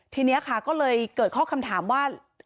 ทีนี้ค่ะก็เลยเกิดข้อคำถามว่า